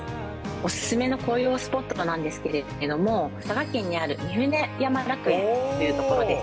お勧めの紅葉スポットなんですけれども、佐賀県にある御船山楽園という所です。